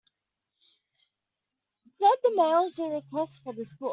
Flood the mails with requests for this book.